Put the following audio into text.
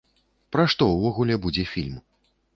Пра што ўвогуле будзе фільм?